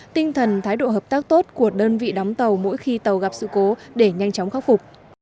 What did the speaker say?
tinh thần thái độ hợp tác tốt của đơn vị đóng tàu mỗi khi tàu gặp sự cố để nhanh chóng khắc phục